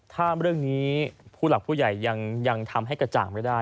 ถ้าเรื่องนี้ผู้หลักผู้ใหญ่ยังทำให้กระจ่างไม่ได้